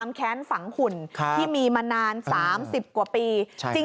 แค้นฝังหุ่นที่มีมานาน๓๐กว่าปี